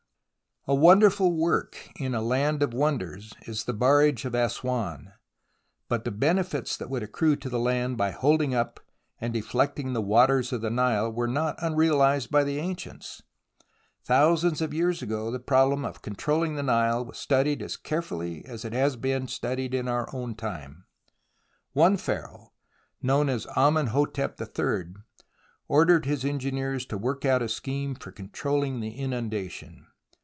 A wonderful work in a land of wonders is the barrage of Assouan, but the benefits that would accrue to the land by holding up and deflecting the waters of the Nile were not unrealized by the ancients. Thousands of years ago the problems of controlHng the Nile were studied as carefully as they have been studied in our own time. One 78 THE ROMANCE OF EXCAVATION Pharaoh, known as Amenhotep iii, ordered his engineers to work out a scheme for controlHng the inundation.